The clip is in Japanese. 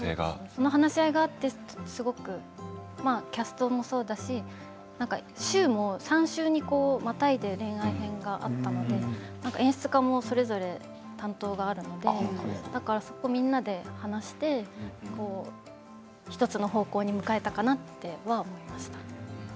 その話し合いがあってキャストもそうだし週も３週にまたいで恋愛編があったので演出家もそれぞれ担当があるのでだから、そこをみんなで話して１つの方向に向かえたかなとは思いました。